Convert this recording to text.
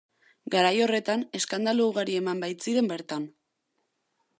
Garai horretan eskandalu ugari eman baitziren bertan.